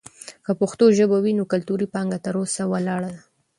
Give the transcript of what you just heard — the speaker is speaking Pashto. که پښتو ژبه وي، نو کلتوري پانګه تر اوسه ولاړه ده.